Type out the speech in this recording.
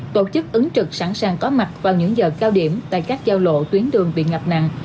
tổ chức ứng trực sẵn sàng có mặt vào những giờ cao điểm tại các giao lộ tuyến đường bị ngập nặng